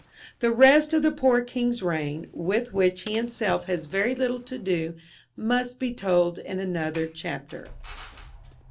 The rest of the poor king^s reign, with which he himself has very little to do, must be told in another chapter.